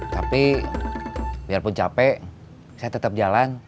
tapi biarpun capek saya tetap jalan